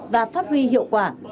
và phát huy hiệu quả